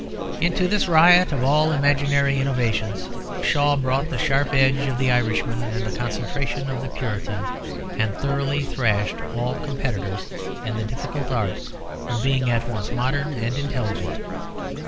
Into this riot of all imaginary innovations Shaw brought the sharp edge of the Irishman and the concentration of the Puritan, and thoroughly thrashed all competitors in the difficult art of being at once modern and intelligent.